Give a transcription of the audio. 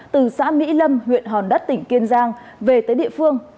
từ xã mỹ lâm huyện hòn đất tỉnh kiên giang về tới địa phương